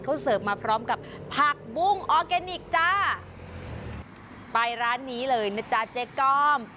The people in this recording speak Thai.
เขาเสิร์ฟมาพร้อมกับผักบุ้งออร์แกนิคจ้าไปร้านนี้เลยนะจ๊ะเจ๊ก้อม